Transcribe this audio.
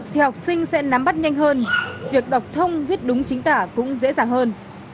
thì học sinh sẽ nắm bắt nhanh hơn việc đọc thông viết đúng chính tả cũng dễ dàng hơn